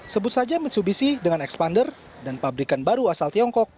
sebut saja mitsubishi dengan expander dan pabrikan baru asal tiongkok